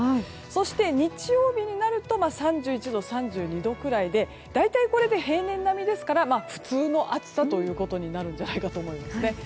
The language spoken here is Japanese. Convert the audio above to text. そして、日曜日になると３１度、３２度くらいで大体これで平年並みですから普通の暑さということになるんじゃないかと思います。